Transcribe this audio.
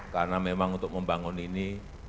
karena memang untuk membangun ini